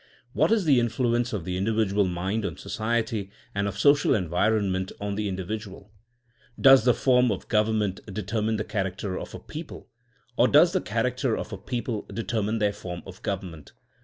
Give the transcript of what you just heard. What is the influence of the individual mind on society and of social environment on the in dividual? Does the form of government determine the character of a people, or does the character of a people determine their form of government?